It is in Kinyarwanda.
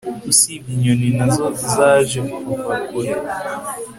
usibye inyoninazo zajekuva kure